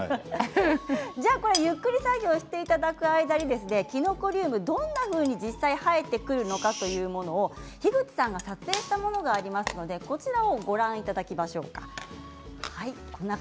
ゆっくり作業をしていただく間にきのこリウムどんなふうに実際に生えてくるのかというものを樋口さんが撮影したものがありますのでご覧いただきましょう